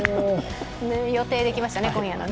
予定できましたね今夜のね。